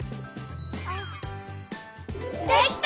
できた！